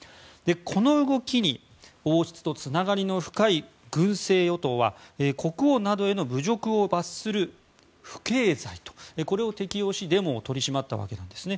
この動きに王室とつながりの深い軍政与党は国王などへの侮辱を罰する不敬罪とこれを適用しデモを取り締まったわけです。